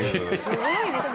すごいですね。